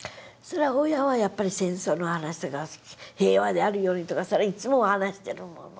親はやっぱり戦争の話とか平和であるようにとかいつも話してるもの。